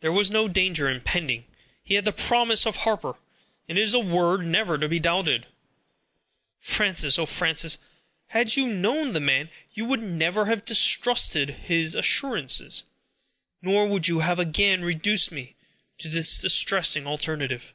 "There was no danger impending. He had the promise of Harper; and it is a word never to be doubted. O Frances! Frances! had you known the man, you would never have distrusted his assurance; nor would you have again reduced me to this distressing alternative."